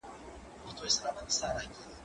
زه مخکي د کتابتون کتابونه لوستي وو،